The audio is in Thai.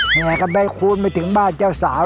แห่คำนาจไปคุ้นไปถึงบ้านเจ้าสาว